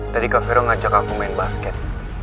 tadi kak vero ngajak aku main basket